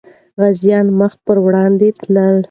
غازيان مخ پر وړاندې تلل.